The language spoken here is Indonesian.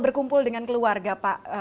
berkumpul dengan keluarga pak